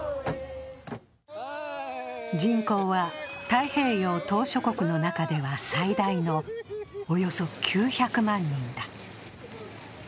人口は太平洋島しょ国の中では最大のおよそ９００万人だ。